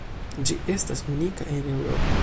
Ĝi estas unika en Eŭropo.